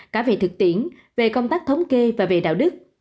cả về thực tiễn về công tác thống kê và về đạo đức